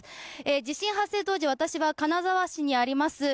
地震発生当時、私は金沢市にあります